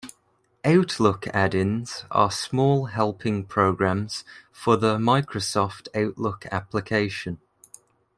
Outlook add-ins are small helping programs for the Microsoft Outlook application.